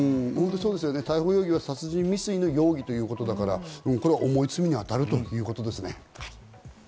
逮捕容疑は殺人未遂の容疑ということだから、重い罪にあたるということですね。